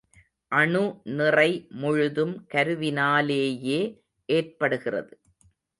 அணுநிறை முழுதும் கருவினா லேயே ஏற்படுகிறது.